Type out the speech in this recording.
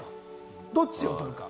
どっちを取るか？